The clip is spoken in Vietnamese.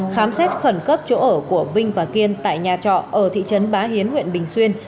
khám xét khẩn cấp chỗ ở của vinh và kiên tại nhà trọ ở thị trấn bá hiến huyện bình xuyên